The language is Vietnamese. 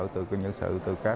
từ nhân sự